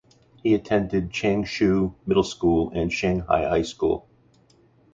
He attended Changshu Middle School and Shanghai High School.